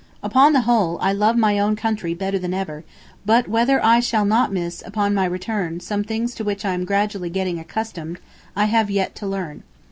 Upon the whole, I love my own country better than ever, but whether I shall not miss, upon my return, some things to which I am gradually getting accustomed, I have yet to learn.